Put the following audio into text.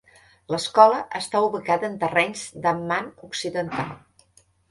L'escola està ubicada en terrenys d'Amman Occidental.